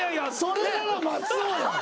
それなら松尾やん。